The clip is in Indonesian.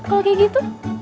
kalau kayak gitu